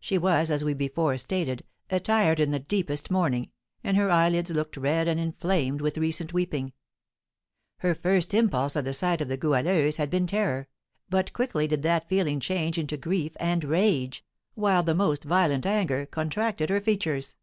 She was, as we before stated, attired in the deepest mourning, and her eyelids looked red and inflamed with recent weeping. Her first impulse at the sight of the Goualeuse had been terror; but quickly did that feeling change into grief and rage, while the most violent anger contracted her features.